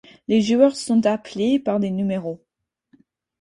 Les joueurs sont appelés par des numéros.